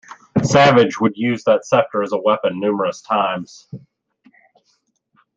Savage would use that scepter as a weapon numerous times.